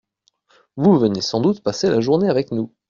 Vous venez sans doute passer la journée avec nous ?